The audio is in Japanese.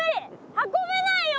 運べないよ